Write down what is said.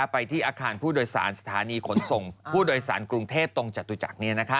ไปที่อาคารผู้โดยสารสถานีขนส่งผู้โดยสารกรุงเทพตรงจตุจักร